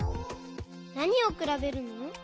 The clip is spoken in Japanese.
なにをくらべるの？